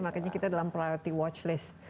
makanya kita dalam priority watch list